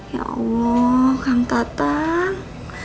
ya allah kang tatang